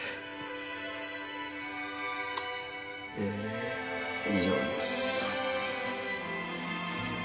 えー以上です。